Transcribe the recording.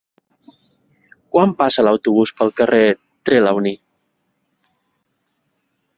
Quan passa l'autobús pel carrer Trelawny?